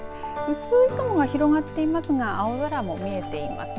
薄い雲が広がっていますが青空も見えていますね。